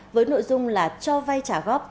với nội dung là cho vay trả góp